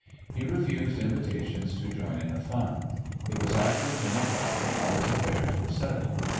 He refused invita tions to join in the fun. It was after ten o'clock when all his affairs were settled.